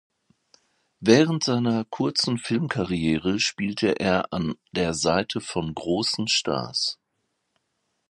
Während seiner kurzen Filmkarriere spielte er an der Seite von großen Stars.